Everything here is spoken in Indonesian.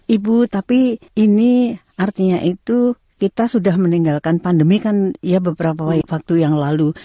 ibu tapi ini artinya itu kita sudah meninggalkan pandemi kan ya beberapa waktu yang lalu